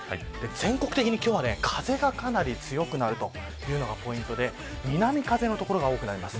全国的に今日は風がかなり強くなるというのがポイントで南風の所が多くなります。